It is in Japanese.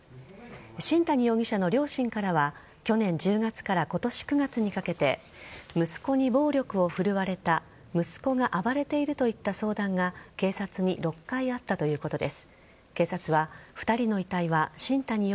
新谷容疑者の両親からは去年１０月から今年９月にかけて息子に暴力を振るわれた息子が暴れているといった相談が警察に６回あったということです。